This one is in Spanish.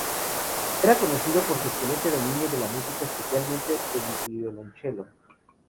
Era conocido por su excelente dominio de la música, especialmente del violoncelo.